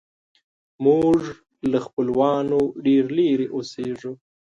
موږ له خپلوانو ډېر لیرې اوسیږو